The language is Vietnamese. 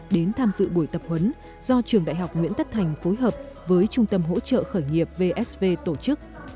đến tham dự buổi tập huấn do trường đại học nguyễn tất thành phối hợp với trung tâm hỗ trợ khởi nghiệp vsv tổ chức